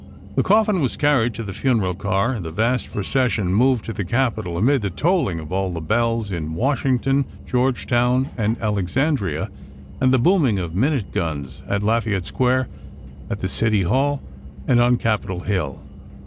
The coffin was carried to the funeral car, and the vast procession moved to the Capitol amid the tolling of all the bells in Washington, George town, and Alexandria, and the booming of minute guns at Lafayette Square, at the City Hall, and on Capitol hill.